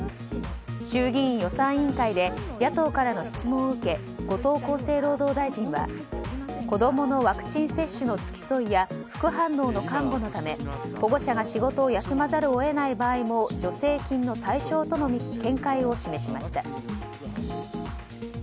衆議院予算委員会で野党からの質問を受け後藤厚生労働大臣は子供のワクチン接種の付き添いや副反応の看護のため保護者が仕事を休まざるを得ない場合も助成金の対象との見解を示しました。